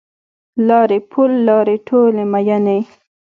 لارې پل لارې ټولي میینې